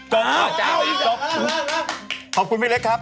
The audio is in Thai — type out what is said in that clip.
ขอบคุณพี่เล็กครับ